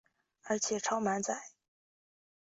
而且超满载